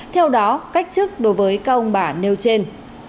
theo đó cách chức đối với các ông bà nêu trên